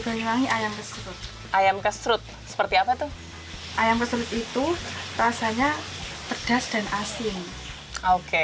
banyuwangi ayam kesrut ayam kesrut seperti apa tuh ayam kesrut itu rasanya pedas dan asin oke